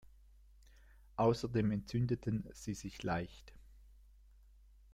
Außerdem entzündeten sie sich leicht.